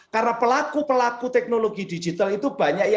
karena pelaku pelaku teknologi digital itu banyak